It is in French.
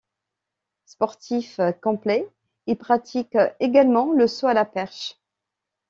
Sportif complet, il pratique également le saut à la perche.